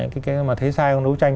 cái mà thấy sai không đấu tranh